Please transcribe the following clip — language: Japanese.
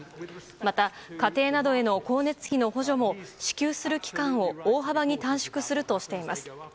また家庭などへの光熱費の補助も支給する期間を大幅に短縮するとしています。